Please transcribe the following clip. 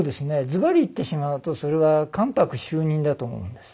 ズバリ言ってしまうとそれは「関白就任」だと思うんです。